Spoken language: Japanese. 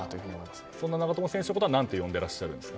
そんな長友選手のことは何て呼んでいるんですか？